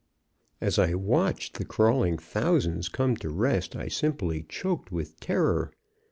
"As I watched the crawling thousands come to rest, I simply choked with terror.